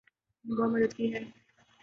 آپ نے بہت مدد کی ہے